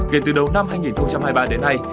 kể từ đầu năm hai nghìn hai mươi ba đến nay